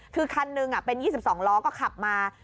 คือคันหนึ่งเป็น๒๒ล้อก็ขับมา